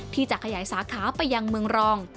ที่จะขยายสาขาไปยังเมืองรอง